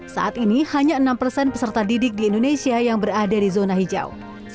saat ini hanya enam persen peserta didik di indonesia yang berada di zona hijau